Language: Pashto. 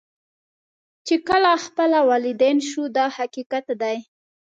چې کله خپله والدین شو دا حقیقت دی.